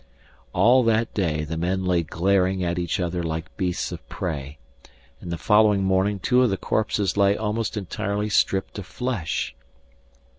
All that day the men lay glaring at each other like beasts of prey, and the following morning two of the corpses lay almost entirely stripped of flesh.